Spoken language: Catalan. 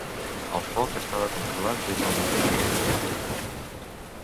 El foc estava controlat des del mateix dimecres al vespre.